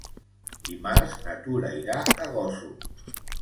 Dimarts na Tura irà a Gósol.